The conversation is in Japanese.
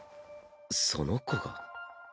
その子が？